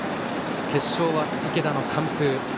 決勝は池田の完封。